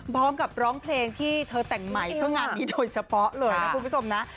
พร้อมกับร้องเพลงที่เธอแต่งใหม่เพื่องานนี้โดยเฉพาะเลยนะคุณผู้ชมนะ